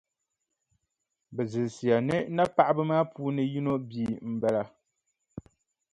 Bɛ zilisiya ni napaɣiba maa puuni yino bia m-bala.